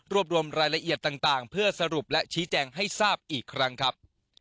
รวมรวมรายละเอียดต่างเพื่อสรุปและชี้แจงให้ทราบอีกครั้งครับ